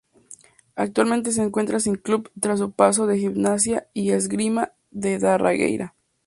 Actualmente se encuentra sin club tras su paso por Gimnasia y Esgrima de Darregueira.